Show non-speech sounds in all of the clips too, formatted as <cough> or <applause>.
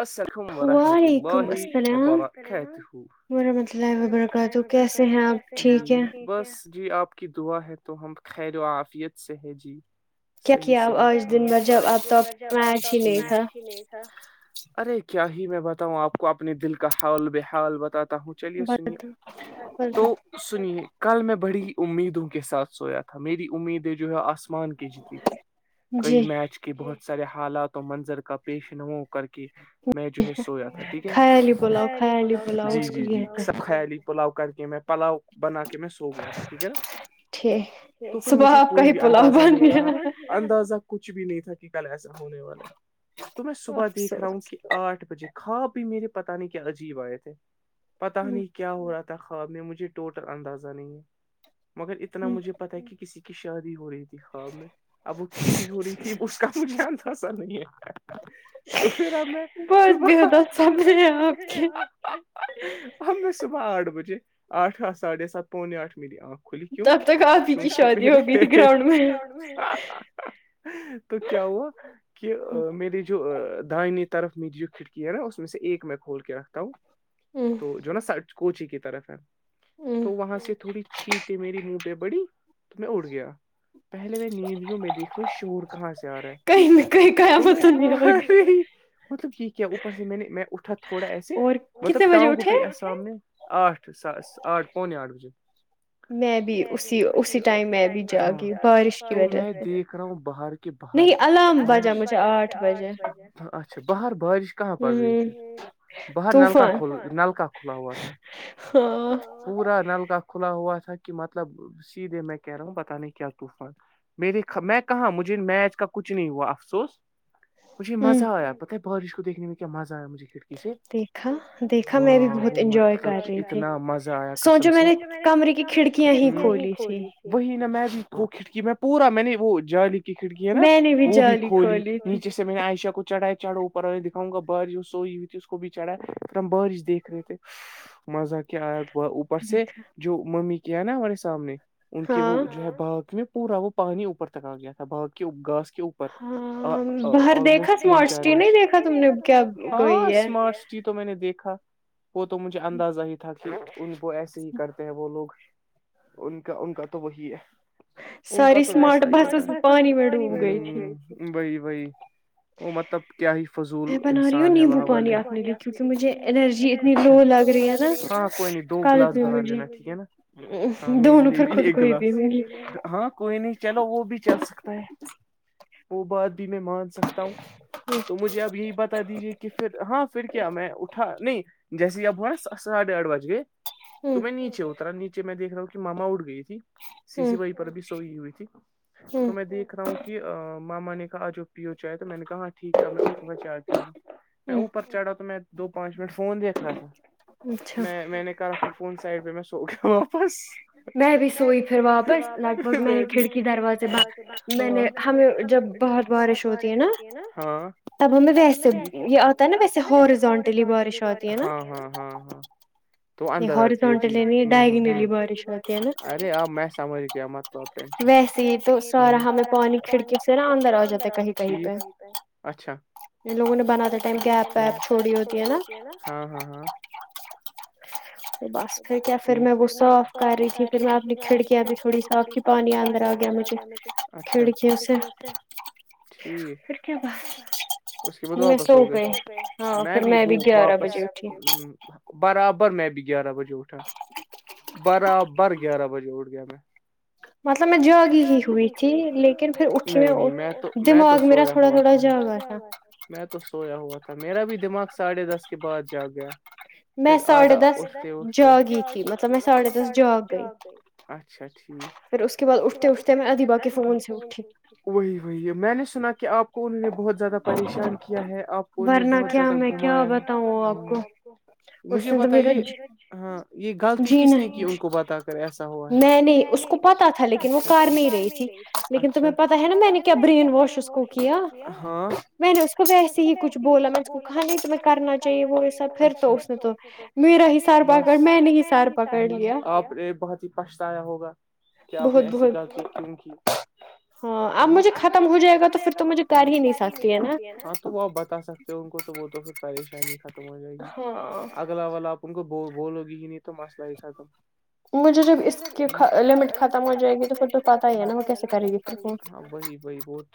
السکم ورحمۃ اللہ وبرکاتہ ورحمتہ اللہ ورحمتہ اللہ وبرکاتہ کیسے ہیں آپ ٹھیک ہیں کی دعا ہے تو ہم خیر و عافیت سے ہے جی صحیح صحی کہ اب آج دن میں جب اب تک میچ ہی نہیں تھا ارے کیا ہی میں بتاؤں آپ کو اپنے دل کا حاول بحاال بتاتا ہوں چلیے سنیے تو سنیے کل میں بڑی امیدوں کے ساتھ سویا تھا میری امیدیں جو ہے آسمان کے جتی تھی کئی میچ کے بہت سارے حالات اور منظر کا پیشن ہو کر کے میں جو ہے سویا تھا ٹھیک ہے <unintelligible> جی جی جی خیالی پلاؤ کر کے میں پلاؤ بنا کے میں سو گیا تھا ٹھیک ہے نا جی صبح آپ کا ہی پلاؤ باندھ گیا اندازہ کچھ بھی نہیں تھا کہ کل ایسا ہونے والا ہے تو میں صبح دیکھ کہ آٹھ بجے خواب بھی میرے پتا نہیں کیا عجیب آئے تھے پتا نہیں کیا کیا ہو رہا تھا خواب میں مجھے ٹوٹل اندازہ نہیں ہے مگر اتنا مجھے پتا ہے کہ کسی کی شادی ہو رہی تھ خواب میں اب وہ کس کی ہو رہی تھی اس کا مجھے انداسا نہیں ہے تو پھر ہمیں صبح کے دو پھیر میں ہے آج ہم میں صبح آٹھ بجے آٹھ ساڑھے سات پونے آٹھ م آں <unintelligible> تو پھر کیا ہوا کہ میرے جو ا دائنی طرف می کھٹکی ہے نا اس میں سے ایک میں کھول کے رکھتا ہوں تو جو نا سا کوچی کی طرف ہے تو وہاں سے تھوڑی چھیٹ ہے میری بڑی تو میں اڑ گیا پہلے میں نیند بھی ہوں میں دیکھا شور کہاں سے آ رہا ہے تو میں وہاں سے ہے مطلب یہ کیا اوپر سے میں نے اٹھا تھوڑا ایسے مطلب ٹانگو پہ سامنے آٹھ س آٹھ پونے آٹھ بجے میں بھی اسی ٹائم میں بھی جگی تو میں دیکھ رہا ہوں باہر باہر نہیں آٹھ بجا مجھے آٹھ بجا اچھا باہر بارش کہاں پڑ رہی تھی باہر نلک کھ نلک کھلا ہوا تھا پورا نل کا کھلا ہوا تھا کہ مطلب سیدھے میں کہہ رہا ہوں پتا نہیں کیا طوفان میرے میں کہا مجھے میچ کا کچھ نہیں ہوا افسوس مجھے مزہ آیا پتا بارش کو دیکنے میں کیا مزہ آیا مجھے کھڑی سے دیکھا دیکھا میں بھی بہت انجوائے کر رہی تھی سوچو میں نے کمرے کی کھڑکیاں ہی کھلی تھی وہی نہا میں بھی کو کھڑکی میں پورا میں نے وہ جال کھڑکی ہے نا وہ بھی کھلی نیچے سے میں نے عئشہ کو چڑھائے چڑھ اور آئے دکھاؤںا بارش وہ سوئی ہوئی تھی اس کو بھی چڑھا پھر ہم بارش دیکھ رہے تھے مزہ کیا وہ اوپر سے جو ممی کیا ہے نا ہمارے سامنے ان کے وہ جو ہے باغ میں پورا وہ پانی اوپر تک آ گیا تھا باغ کے گاس کے اوپر آ ا لموسٹ تین چار نہیں دیکھا تم نے ہاں اسمارٹ سٹی تو میں نے دیکھا وہ تو مجھے اندازہ ہی تھا کہ ان کو ایسے ہی کرتے ہیں وہ لوگ ان کا ان کا تو وہی ہے ساریاری سمارٹ بسس پانی میں ڈوب گئی تھی بی بی وہ مطلب کیا ہی فضول انسان ہے وہاں والے چھ ہاں کوئی نہیں دو گلاس بھرا لینا ٹھیک ہے نا ہاں میرے نے بھی ایک گلا ہاں کوئی نہیں چلو وہ بھی چل سکتا ہے وہ بات بھی میں مان سکتا ہوں جی تو مجھے اب یہی بتا دیجیے کہ پھر ہاں پھر کیا میں اٹھا نہیں جیسے اب ہو نا ساڑھے آٹھ بج گئے تمہیں نیچے اترا نیچے میں دیکھ رہا ہوں کہ ماما اٹھ گئی تھی سی سی وائی پر بھی سوئی ہوئی تھی تو میں دیکھ رہا ہوں کہ ماما نے کا آجو پیو چائے تو میں نے کہا ٹھیک ہےب میں چائے پیوں گا میں اوپر چڑھا تو میں دو پانچ منٹ فون دیکھ رہا تھا میں میں نے رکھو فون سائڈ پہ میں سو گیا واپس میں بھی سوئی پھر واپس لگ بھگ میں نے کھڑکی دروازے ب میں نے ہمیں جب بہت بارش ہو بارش ہوتی ہے نا ہاں تب ہمیں ویسے یہ آتا ہے نا ویسے ہارزونٹلی بارش آتی ہے نا ہاں ہاں تو اندر آتی ہے جی ہ ارے آپ میں سمجھ گیا مت ویسے ہی تو سارا ہمیں پانی کھڑکی سے نا اندر آ جاتا ٹھیک اچھا لوگوں نے بنا ٹ چھوڑی ہوتی ہے نا ہاں ہاں ہاں تو بس پھر کیا فر میں وہ صاف کر رہی تھی پھر میں اپنی کھڑ کیاں بھی تھوڑی صاف کی کافی پانی اندر آ گیا مجھے اچھا کھڑکیوں سے ٹھیک اس کے بعد واپس ہو گئے میں بھی وہ واپس برابر میں بھی گیارہ بجے ا اٹھا برابر گیارہ بجے اٹھ گیا میں مطلب میں جا گی ہی ہوئی تھی لیکن پھر اٹھی میں اور دماغ میرا تھوڑا تھوڑا جا گا سا میں تو سویا ہوا تھا میرا بھی دماغ ساڑھے دس کے بعد جا گ گیا پھر آدا اٹھتے اٹھتے جاگی تھی مطلب میں ساڑھے د س جاگ گئی اچھا ٹھیک پھر اس کے بعد ا ٹھتےا ٹھتےمیں ادیبہ کے فون سے اٹھی میں نے سنا کہ آپ کو انہوں نے بہت زیادہ پریشان کیا ہے آپ کو ان نے بہت زیادہ گھمایا ہے بتاؤ ں آپکو مجھے بتائیے ہاں جی نہیں میں نہیں اس کو پتہ تھا لیکن وہ کر نہیں رہی تھی لیکن تمہیں پتہ ہے نہ میں نے کیا بری ن واش اس کو کیا میں نے اس کو ایسے ہی کچھ بولا میں اس کو کہا نہیں تمہیں کرنا چاہیے وہ سب پھر تو اس نے تو میرا ہی سر پکڑ میں پر میں نے ہی سر پکڑلیا آپ نے بہت ہی پچھتایا ہوگا کے آپ نے ایسی غلطی کیوں کی ہاں اب مجھے ختم ختم ہو جائے گا تو پھر تو مجھے کر ہی نہیں سکتی ہے نا تو وہ آپ بتا سکتے ہو ان کو تو وہ تو پھر پریشانی ختم ہو جائے گی اگلا والا ان کو ب بولو گی ہی نہیں تو مسئلہ ہی ختم مجھے جب اس کی کہ لمٹ ختم ہو جائے گی تو پھر تو پتہ ہی ہے نا وہ کیسے کرے گی ہاں وہی وہی بہت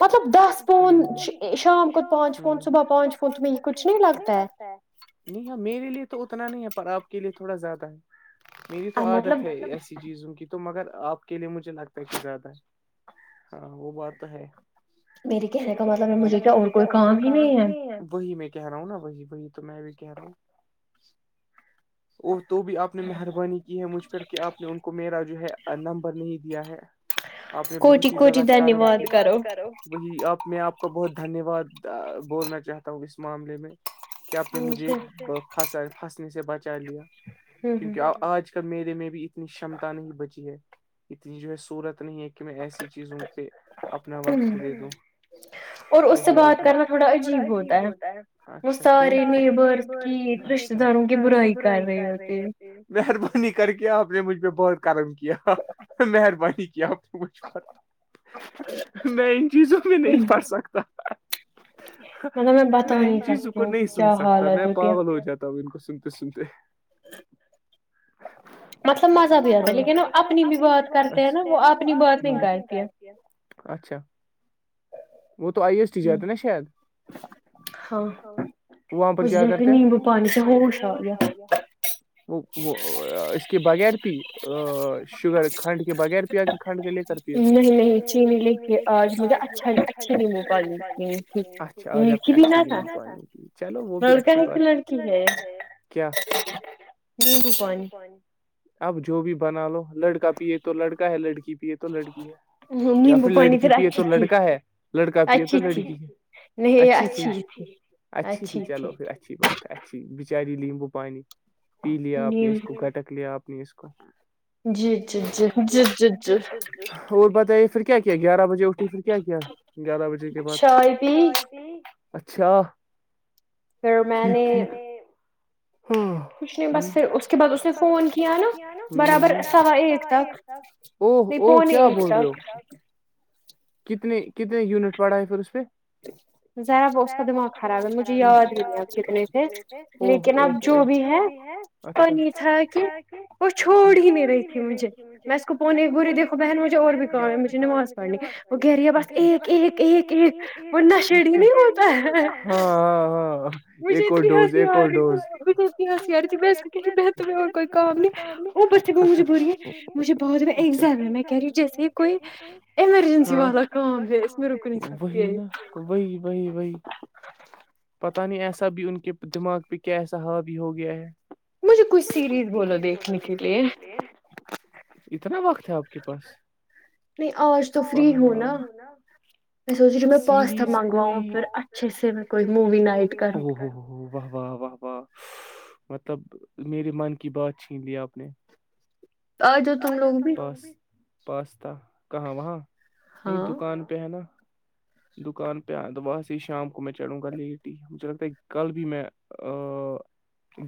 مطلب دس فون ش شام کوپانچ فون صبح پانچ پہنچ پنچ بھی کچھ نہیں لگتا ہے نہیں ہاں میرے لیے تو اتنا نہیں ہے پر آپ کے لیے تھوڑا زیادہ ہے میری تو عادت ہے ایسی چیزوں کی تو مگر آپ کے لیے مجھے لگتا ہے کہ زیادہ ہے وہ بات تو ہے میرے کہنے کا مطلب مجھے تو اور کوئی کام ہی نہیں ہے وہی میں کہہ رہا ہوں نا وہی وہی تو میں بھی کہہ رہا ہوں او تو بھی آپ نے مہربانی کی ہے مجھ پر کہ آپ نے ان کو میرا جو ہے نمبر نہیں دیا ہے آپ نے بہت ہی زیادہ دھنیواد کرو وہی آپ میں آپ کا بہت دھنیواد بولنا چاہتا ہوں اس معاملہ میں کہ آپ نے مجھے پھنسا پھنسنے سے بچا لیا کیونکہ ا آج کے میرے میں بھی اتنی شمتا نہیں بچی ہے اتنی جو ہے صورت نہیں ہے کہ میں ایسی چیزوں پہ اپنا وقت دے دوں ؤ ہو ہو اور اس بات کرنا تھوڑا عجیب ہوتا ہےاچھا کیوں سارے نیبر کی ادھرم ان کی برا ہی کر رہی ہوتی مہربانی کر کے آپ نے مجھ پہ بہت کرم کیا مہربانی کیا آپ نے مجھ پر میں ان چیزوں میں نہیں پڑھ سکتا میں ان چیزوں کو نہیں سن سکتا میں پاگل ہو جا تا ان کو سنتے سنتے مطلب مزہ بھی آتا ہے لیکن وہ اپنی بھی بات کرتے ہیں نا وہ اپنی بات نہیں کرتی ہے اچھا وہ تو آئی یس جاتا نا شاید وہاں پر کیا کرتے ہیں نمبو پانی سے ہوش آگیا وہ وہ ا اس کے بغیر پی ا شوگر کھنڈ کے بغیر پیا کہ کھنڈ کے لے کر پیا نہیں نہیں چینی لے کے آج مجھے اچھا اچھی نمبو پانی پینی تھی اچھا آج اپنی اچھی لیم پے کی چلو وہ بھی اچھی بات ہے کیا اب جو بھی بنا لو لڑکی لڑکا پیے تو لڑکا ہے لڑکی پیے تو لڑکی ہے یا پھر لڑکی پیے تو لڑکا ہے لڑکا پیے تو لڑکی ہے اچھی تھی اچھی تھی چلو پھر اچ اچھی بات ہے اچھی بچاری لییمبو پانی پی لیا آپ نے اس کو گھٹک لیا آپ نے اس کو جی جی جی جی جی جی اور بتائیے پھر کیا گیارہ بجے اھی پھر کیا کیا گیارہ بجے کے بعد اچھا پھر میں نے ہاں کچھ نہیں بس پھر اس کے بعد اس نے فون کیا نا برابر سوا ایک تک او او کیا بول رہے ہو کتنے کتنے یونٹ پڑھا ہے اس نے ذرا اس کا دماغ خراب ہے مجھے یاد بھی نہیں آپ چتنے سے لیکن لیکن اب جو بھی ہے اچھا تھا کہ وہ چھوڑی میرے ج میں اس کو پوانے ایک بول رہی ہوں دیکھو بہن مجھے اور بھی کام ہے مجھے نماز پڑھنی وہ کہہ رہی ہے بس ایک ایک ایک ایک نشڑی نہیں ہوتا ہے مجھے اتنی ہنسی آ رہی تھی اور بھی کہہ رہ تھی میں تمہیں اور کوئی کام نہیں وہ بست وہ مجھے بی ہیں مجھے بہت ایگزام میں کہہ رہی جیسے ہی کوئی ایمرجنسی والا کام ہے اس میں رک نہیں سکتی ہے وہی وہی وہی پتا نہیں ایسا بھی ان کے دماغ پہ کیا ایسا ا بھی ہو گیا ہے مجھے کچھ سیریز بولو دیکھنے کے لیے اتنا وقت ہے آپ کے پاس نہیں آج تو فری ہو نا میں سوچ رہی ہوں میں پاستا منگواؤں پھر اچھے سے میں کوئی موی نائٹ کرو واہ واہ واہ واہ مطلب میرے من کی بات چھین لی آپ نے پس پاستا کہاں وہاں نہیں دکان پہ ہے نا دکان پہ آ صبح سے ہی شام کو میں چڑھوں گا لیٹ ہی مجھے لگتا ہے کل بھی میں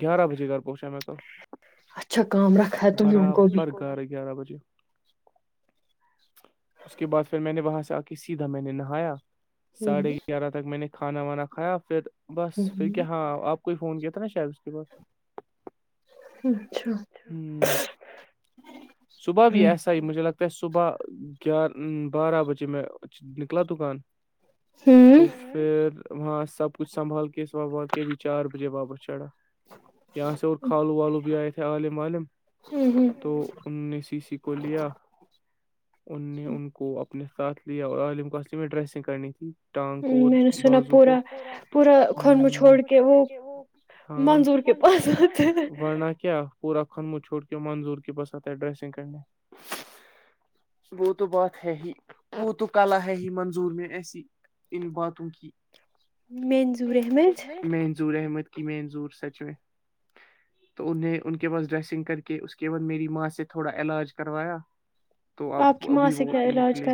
گیارہ بجے گھر پہنچا میں کل برابر گھر گیارہ بجے اس کے بعد پھر میں نے وہاں سے آ کے سیدھا میں نے نہایا ساڑھے گیارہ تک میں نے کھانا وانا کھایا پھر بس پھر کیا ہاں آپ کوئی فون کیا <unintelligible> صبح بھی ایسا ہی مجھے لگتا صبح گیار م بارہ بجے میں نکلا دکان تو پھر وہاں سب کچھ سنبھال کے سو واقع کے ابھی چار بجے واپس چڑا یہ یہاں سب کھالوں والو بھی آت عالم والم توو ان نے سی سی کو لیا ان نے ان کو مس کاسلیا اور عالم کوس ڈریسنگ کرنی تھی ٹانگ کو بازو کو پورا پورا اکھوں مہ چھڑ کے وه منظور کے پاس ضرورت ہے ورنہ کیا پورا گم وہ چھوڑ کے منظور کی بس آتا ہے ڈریسنگ کرنے وہ تو بات ہے ہی وہ تو کلا ہے ہی منظور میں ایسی ان باتوں کی منظور احمد کہ منظور سچ میں تو انہیں ان کے پاس ڈریسنگ کر کے اس کے بعد میری ماں سے تھوڑا علاج کروایا تو آپ ابھی وہ نکلیے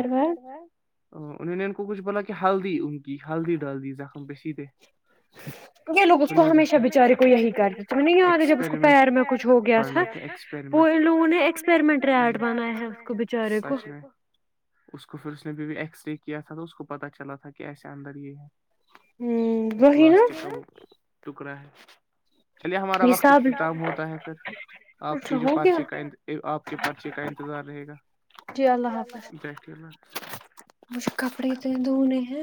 ا انہوں نے ان کو کچھ بولا کہ ہلدی ان کی ہلدی ڈال دی زخم پہ سیدھے سسسی یہ لوگ اس کو ہمیشہ بچارے کو یہی کرتےے تم نہیں یاد ہے جب اس کو پیر میں کچھ ہو گیا تھا وہ ان لوگوں نے ایکسپریمنٹ ر آٹ بنایا ہے اس کو بچارے کو اس کو پھر سے ابھی بھی ایکس رے کیا تھا تو اس کو پت چلا تھا کہ ایسے اندر یہ ہے ماسک کہو ٹکڑا ہے چلیے ہمارا وقت اختتام ہوتا ہے پر آپ کے جو پرچے کا آپ کے پرچے کا انتظار رہے گا جی اللہ حافظ مجھے کپڑے تھے دھونے